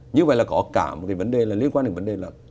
như vậy là có cả một cái vấn đề là liên quan đến vấn đề là